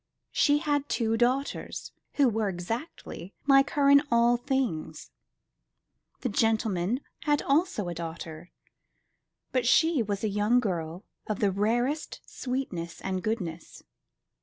She had two daughters, who were exactly like her in all things. The gentleman had also a daughter, but she was a young girl of the rarest sweetness and goodness.